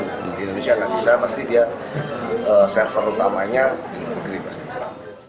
di indonesia nggak bisa pasti dia server utamanya di luar negeri pasti kita